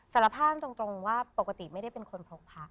สารภาพตรงว่าปกติไม่ได้เป็นคนพกพระ